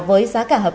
với giá cả hợp